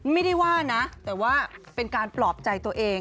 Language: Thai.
ไม่ได้ว่านะแต่ว่าเป็นการปลอบใจตัวเอง